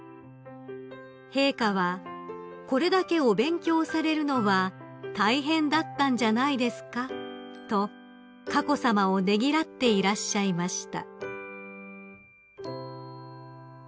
［陛下は「これだけお勉強されるのは大変だったんじゃないですか？」と佳子さまをねぎらっていらっしゃいました］